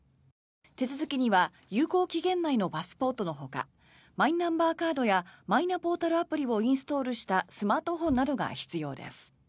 手続きには有効期限内のパスポートのほかマイナンバーカードやマイナポータルアプリをインストールしたスマートフォンなどが必要です。